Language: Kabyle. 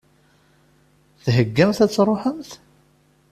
Theggamt ad tṛuḥemt?